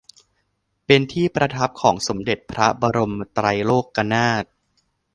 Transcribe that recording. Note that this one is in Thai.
เป็นที่ประทับของสมเด็จพระบรมไตรโลกนาถ